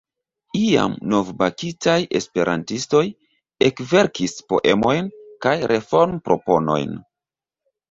Iam novbakitaj esperantistoj ekverkis poemojn kaj reformproponojn.